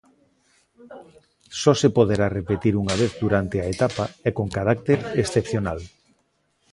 Só se poderá repetir unha vez durante a etapa e con carácter excepcional.